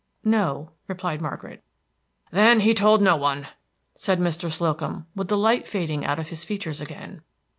"_ "No," replied Margaret. "Then he told no one," said Mr. Slocum, with the light fading out of his features again.